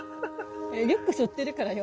リュックしょってるからよ。